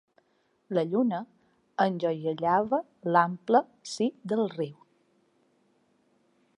La lluna enjoiellava l'ample si del riu.